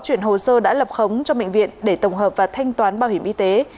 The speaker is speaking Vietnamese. bệnh viện đa khoa trung ương quảng nam đã lập khống cho bệnh viện để tổng hợp và thanh toán bảo hiểm y tế